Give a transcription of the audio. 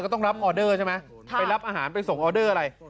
ต้องรับออเดอร์ใช่ไหมไปรับอาหารไปส่งออเดอร์อะไร